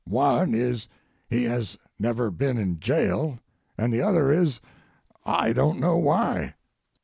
One is, he has never been in jail, and the other is, I don't know why."